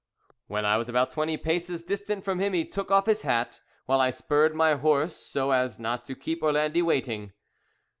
When I was about twenty paces distant from him he took off his hat; while I spurred my horse so as not to keep Orlandi waiting.